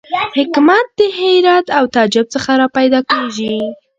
حکمت د حیرت او تعجب څخه را پیدا کېږي.